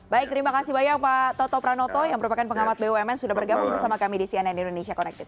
baik terima kasih banyak pak toto pranoto yang merupakan pengamat bumn sudah bergabung bersama kami di cnn indonesia connected